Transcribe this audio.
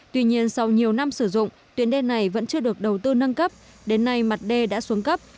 tuy nhiên sau nhiều năm sử dụng tuyến đê này vẫn chưa được đầu tư nâng cấp đến nay mặt đê đã xuống cấp